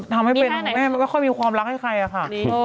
ทำนะไม่เป็นก็ไม่ค่อยมีความรักให้ใครค่ะ